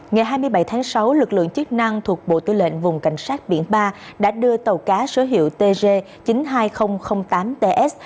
ngày hai mươi bảy tháng sáu lực lượng chức năng thuộc bộ tư lệnh vùng cảnh sát biển ba đã đưa tàu cá số hiệu tg chín mươi hai nghìn tám ts